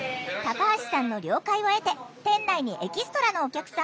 タカハシさんの了解を得て店内にエキストラのお客さんを配置。